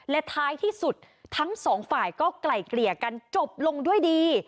และท้ายที่สุดทั้งสองฝ่ายก็ไกล่เกลี่ยกันจบลงด้วยดี